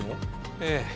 ええ。